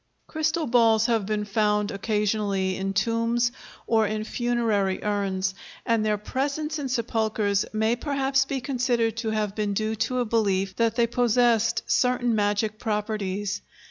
Crystal balls have been found occasionally in tombs or in funerary urns, and their presence in sepulchres may perhaps be considered to have been due to a belief that they possessed certain magic properties.